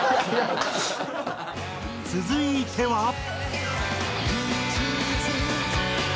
続いては。